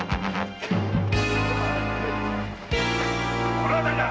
この辺りだ。